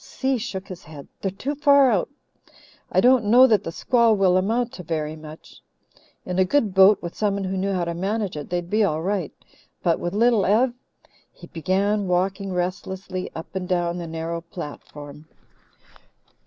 Si shook his head. "They're too far out. I don't know that the squall will amount to very much. In a good boat, with someone who knew how to manage it, they'd be all right. But with Little Ev " He began walking restlessly up and down the narrow platform.